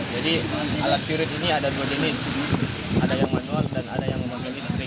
jadi alat turut ini ada dua jenis ada yang manual dan ada yang memakai listrik